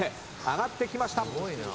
上がってきました。